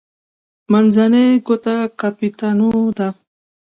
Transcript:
منځنۍ ګوته کاپیټانو ده.